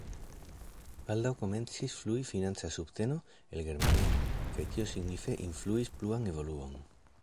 Baldaŭ komencis flui financa subteno el Germanio kaj tio signife influis pluan evoluon.